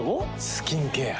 スキンケア。